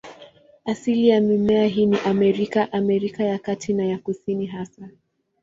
Asilia ya mimea hii ni Amerika, Amerika ya Kati na ya Kusini hasa.